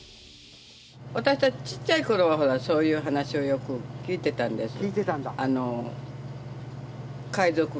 私たちちっちゃい頃はそういう話をよく聞いてたんです。